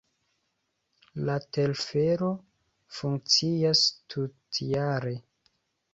La telfero funkcias tutjare.